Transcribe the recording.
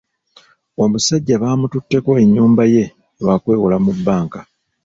Omusajja baamututteko ennyumba ye lwa kwewola mu bbanka.